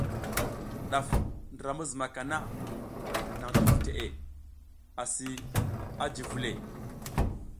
Ɗaf ndra ma zumaka naŋ ti vu teʼe asi a ji vule.